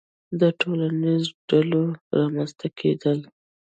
• د ټولنیزو ډلو رامنځته کېدل.